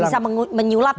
tidak bisa menyulap